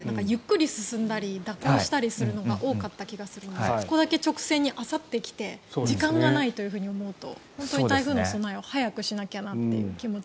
ここ数か月の台風ってゆっくり進んだり蛇行したりするのが多かった気がするのでこれだけ直線にあさって来て時間がないというふうに思うと本当に台風の備えを早くしなきゃなという気持ちを。